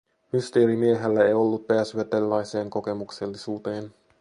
Mysteerimiehellä ei ollut pääsyä tällaiseen kokemuksellisuuteen.